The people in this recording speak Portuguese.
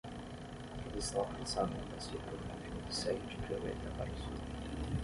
Ele está localizado na bacia hidrográfica que segue de Creueta para o sul.